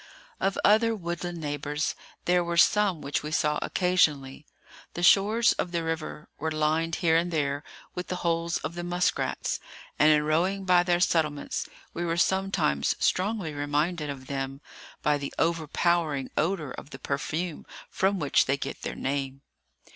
Of other woodland neighbours there were some which we saw occasionally. The shores of the river were lined here and there with the holes of the muskrats; and in rowing by their settlements, we were sometimes strongly reminded of them by the overpowering odour of the perfume from which they get their name.